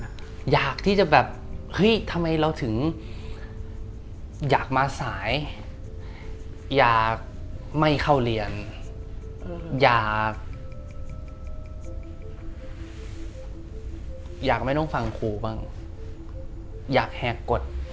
อยากที่จะแบบเฮ้ยทำไมเราถึงอยากมาสายอยากไม่เข้าเรียนอยากไม่ต้องฟังครูบ้างอยากแหกกฎ